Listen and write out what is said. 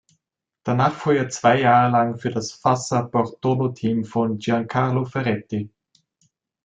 Danach fuhr er zwei Jahre lang für das Fassa Bortolo-Team von Giancarlo Ferretti.